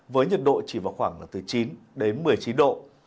với nhiệt độ chỉ vào khoảng chín đến một mươi chín độ